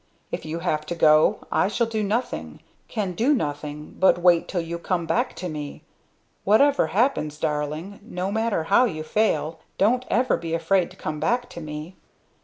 If you have to go I shall do nothing can do nothing but wait till you come back to me! Whatever happens, darling no matter how you fail don't ever be afraid to come back to me."